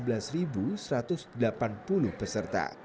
dari jumlah itu sebanyak sembilan puluh tujuh peserta